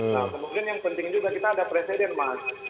nah kemudian yang penting juga kita ada presiden mas